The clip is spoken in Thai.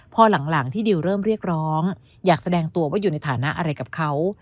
พอหลังที่ดิวเริ่มเรียกร้องอยากแสดงตัวว่าอยู่ในฐานะอะไรกับเขา